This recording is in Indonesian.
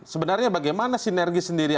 sebenarnya bagaimana sinergi sendiri